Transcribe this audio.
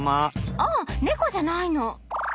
あっネコじゃないの。